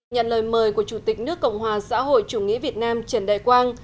nhận lời mời của chủ tịch nước cộng hòa xã hội chủ nghĩa việt nam trần đại quang